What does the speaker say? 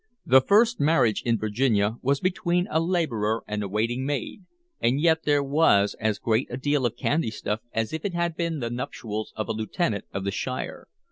The first marriage in Virginia was between a laborer and a waiting maid, and yet there was as great a deal of candy stuff as if it had been the nuptials of a lieutenant of the shire.